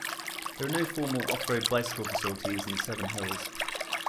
There are no formal off-road bicycle facilities in Seven Hills.